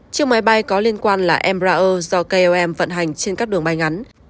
chiếc máy bay có liên quan là embraer do klm vận hành trên các đường bay ngắn